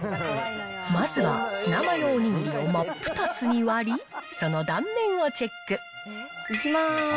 まずはツナマヨお握りを真っ二つに割り、その断面をチェックいきます。